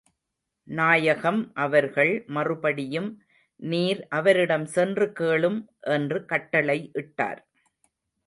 நாயகம் அவர்கள் மறுபடியும் நீர் அவரிடம் சென்று கேளும் என்று கட்டளை இட்டார்.